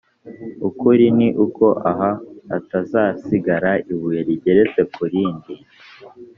ukuri ni uko aha hatazasigara ibuye rigeretse ku rindi